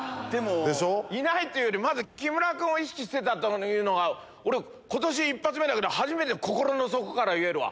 いないっていうよりまず木村君を意識してたのが俺今年１発目だけど初めて心の底から言えるわ。